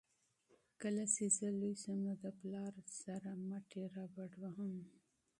کله چې زه لوی شم نو له پلار سره به مټې رابډوهم.